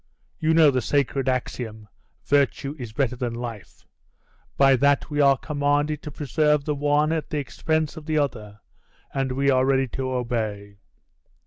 You know the sacred axiom, Virtue is better than life! By that we are commanded to preserve the one at the expense of the other; and we are ready to obey.